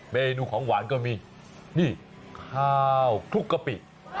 เมนูของหวานก็มีนี่ข้าวคลุกกะปิ